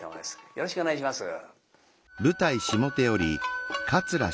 よろしくお願いします。